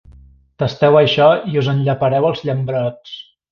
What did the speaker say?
Tasteu això i us en llepareu els llambrots.